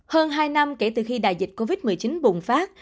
hơn hai năm kể từ khi đại dịch covid một mươi chín bùng phát